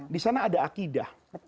di sana ada akidah